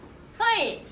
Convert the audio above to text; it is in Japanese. はい。